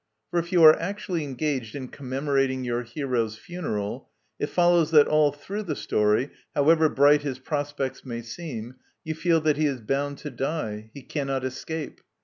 For if you are actually engaged in commemorating your hero's funeral, it follows that all through the story, however bright his prospects may seem, you feel that he is bound to die; he cannot escape.